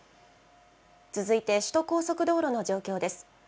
続いて首都高速道路の状況です。